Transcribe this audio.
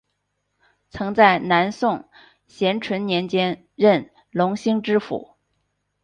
曾在南宋咸淳年间任隆兴知府。